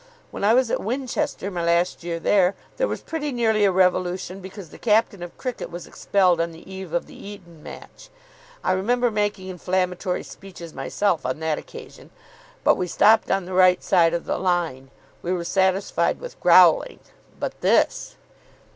When I was at Winchester, my last year there, there was pretty nearly a revolution because the captain of cricket was expelled on the eve of the Eton match. I remember making inflammatory speeches myself on that occasion. But we stopped on the right side of the line. We were satisfied with growling. But this